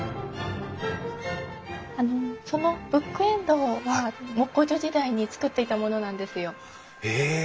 あのそのブックエンドは木工所時代に作っていたものなんですよ。へえ！